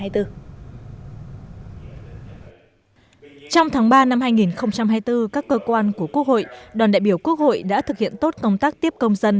trong tháng ba năm hai nghìn hai mươi bốn các cơ quan của quốc hội đoàn đại biểu quốc hội đã thực hiện tốt công tác tiếp công dân